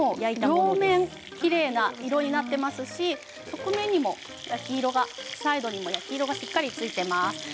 両面きれいな色になっていますし側面にも焼き色が、サイドにも焼き色がしっかりついています。